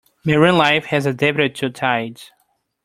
Marine life has adapted to tides.